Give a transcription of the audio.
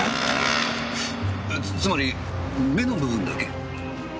つまり目の部分だけ？